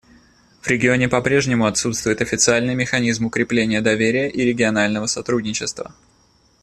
В регионе по-прежнему отсутствует официальный механизм укрепления доверия и регионального сотрудничества.